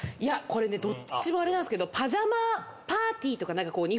どっちもあれなんですけど。